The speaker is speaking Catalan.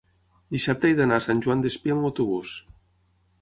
dissabte he d'anar a Sant Joan Despí amb autobús.